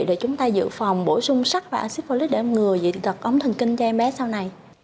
để chúng ta dự phòng bổ sung sắc và acifolid để ngừa dị tật ống thần kinh cho em bé sau này